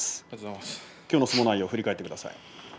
きょうの相撲内容振り返ってください。